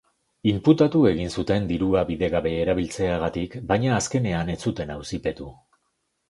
Inputatu egin zuten dirua bidegabe erabiltzeagatik, baina azkenean ez zuten auzipetu.